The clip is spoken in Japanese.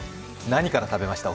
何から食べました？